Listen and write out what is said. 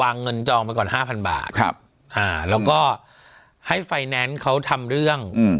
เงินจองไปก่อนห้าพันบาทครับอ่าแล้วก็ให้ไฟแนนซ์เขาทำเรื่องอืม